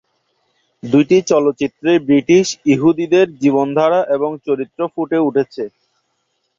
দুইটি চলচ্চিত্রেই ব্রিটিশ ইহুদীদের জীবনধারা এবং চরিত্র ফুটে উঠেছে।